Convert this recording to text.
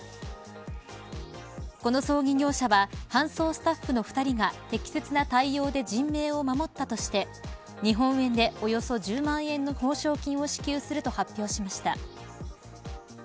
この葬儀業者は搬送スタッフの２人が適切な対応で人命を守ったとして日本円で、およそ１０万円の報奨金を支給すると発表しました。